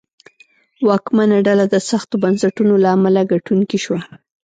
واکمنه ډله د سختو بنسټونو له امله ګټونکې شوه.